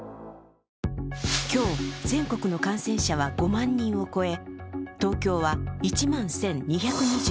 今日、全国の感染者は５万人を超え、東京は１万１２２７人。